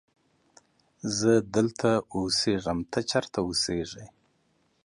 زه دلته اسیږم ته چیرت اوسیږی